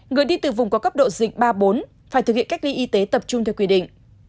người đi từ vùng có cấp độ dịch ba bốn phải thực hiện cách ly y tế tập trung theo quy định